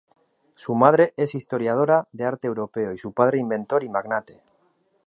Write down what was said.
Su madre es historiadora de arte europeo y su padre inventor y magnate.